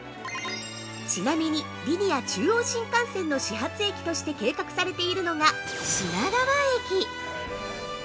◆ちなみに、リニア中央新幹線の始発駅として計画されているのが品川駅。